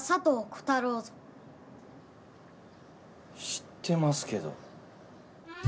知ってますけど。